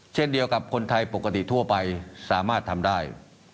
เช่นเดียวกับคนไทยปกติทั่วไปสามารถทำได้